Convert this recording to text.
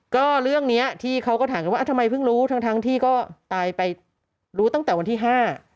ก็เรื่องเนี้ยที่เขาก็ถามกันว่าทำไมเพิ่งรู้ทั้งทั้งที่ก็ตายไปรู้ตั้งแต่วันที่ห้า